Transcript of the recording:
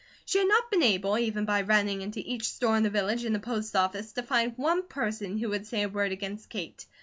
She had not been able, even by running into each store in the village, and the post office, to find one person who would say a word against Kate.